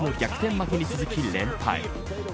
負けに続き連敗。